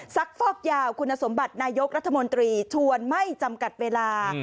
ฟอกยาวคุณสมบัตินายกรัฐมนตรีชวนไม่จำกัดเวลา